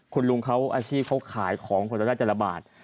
คุณลุงของผมอาชีพเขาถือขายของได้ละบาท